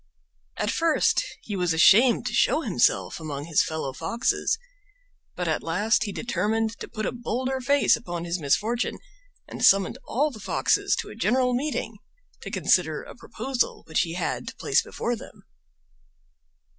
At first he was ashamed to show himself among his fellow foxes. But at last he determined to put a bolder face upon his misfortune, and summoned all the foxes to a general meeting to consider a proposal which he had to place before them.